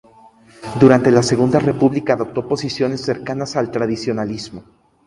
Durante la Segunda República adoptó posiciones cercanas al tradicionalismo.